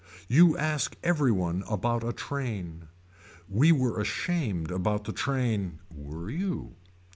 You ask every one about a train. We were ashamed about the train. Were you.